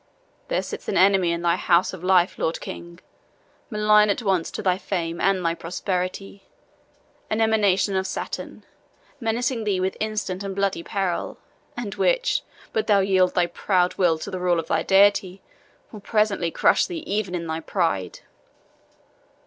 There sits an enemy in thy House of Life, Lord King, malign at once to thy fame and thy prosperity an emanation of Saturn, menacing thee with instant and bloody peril, and which, but thou yield thy proud will to the rule of thy duty, will presently crush thee even in thy pride."